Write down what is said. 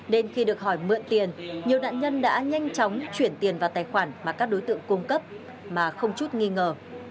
nên khi được hỏi mượn tiền nhiều nạn nhân đã nhanh chóng chuyển tiền vào tài khoản mà các đối tượng cung cấp mà không chút nghi ngờ